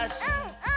うん！